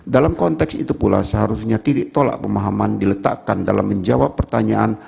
dalam konteks itu pula seharusnya titik tolak pemahaman diletakkan dalam menjawab pertanyaan